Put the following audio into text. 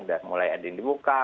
udah mulai ada yang dibuka